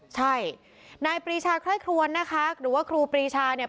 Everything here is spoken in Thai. ใช่นายปรีชาไคร่ครวนนะคะหรือว่าครูปรีชาเนี่ย